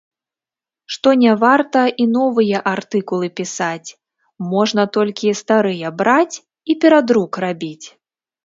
Што не варта і новыя артыкулы пісаць, можна толькі старыя браць і перадрук рабіць!